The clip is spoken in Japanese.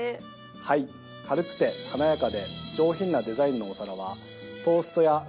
はい軽くて華やかで上品なデザインのお皿は。